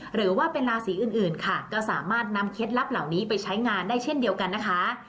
หรือว่าเป็นราศีอื่นค่ะก็สามารถนำเคล็ดลับเหล่านี้ไปใช้งานได้เช่นเดียวกันนะคะ